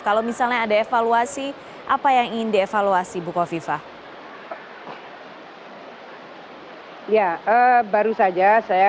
kalau misalnya ada evaluasi apa yang ingin dievaluasi bukov viva